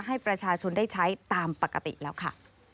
ให้ประชาชนได้ใช้ตามปกติแล้วค่ะ